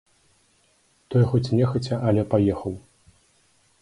Той хоць нехаця, але паехаў.